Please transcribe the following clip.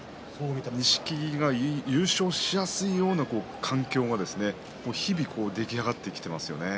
錦木が優勝しやすいような環境が日々出来上がってきていますよね。